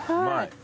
はい。